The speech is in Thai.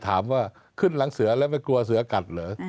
ถามว่าขึ้นหลังเสือแล้วไม่กลัวเสือกัดเหรอ